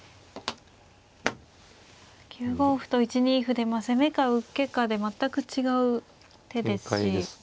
９五歩と１二歩で攻めか受けかで全く違う手ですし。